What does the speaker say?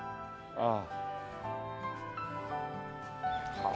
ああ。